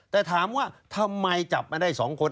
แต่ถามว่าทำไมจับมาได้๒คน